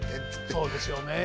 そうですよねえ。